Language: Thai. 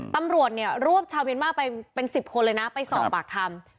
ตำรวจเนี่ยรวบชาวเมียนมาร์ไปเป็น๑๐คนเลยนะไปสอบปากคำ